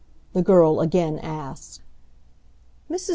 the girl again asked. Mrs.